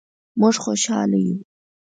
مونږ خوشحاله یو